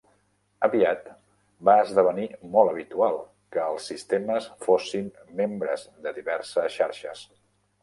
Aviat va esdevenir molt habitual que els sistemes fossin membres de diverses xarxes.